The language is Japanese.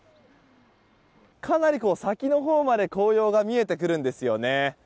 かなり先のほうまで紅葉が見えてくるんですよね。